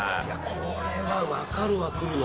これはわかるわ来るの。